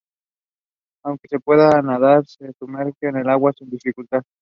Aunque no pueda nadar, se sumerge en el agua sin dificultad.